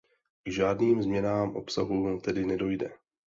K žádným změnám obsahu tedy nedojde.